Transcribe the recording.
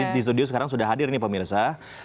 di studio sekarang sudah hadir nih pemirsa